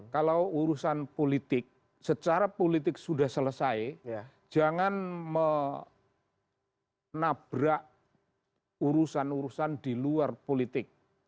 kalau urusan politik secara politik sudah selesai jangan menabrak urusan urusan di luar politik